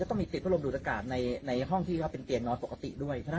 จะต้องมีติดพระรมดุลอากาศในในห้องที่เขาเป็นเตียงนอนปกติด้วยเพราะ